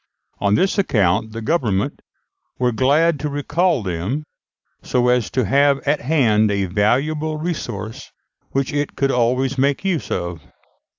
On this account the Government were glad to recall them, so as to have at hand a valuable resource which it could always make use of.